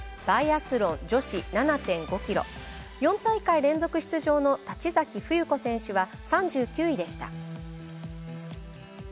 バイアスロン女子７．５ｋｍ４大会連続出場の立崎芙由子選手は３９位でした。